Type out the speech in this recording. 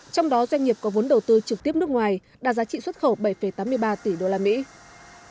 trong đó doanh nghiệp có vốn đầu tư trực tiếp nước ngoài đạt giá trị xuất khẩu bảy tám mươi ba tỷ usd